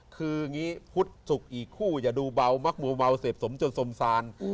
คือนี้พุธสุขอีกคู่อย่าดูเบามักหมู่เมาเสพสมจนสมซาน